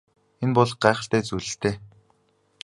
Энэ бол гайхалтай зүйл л дээ.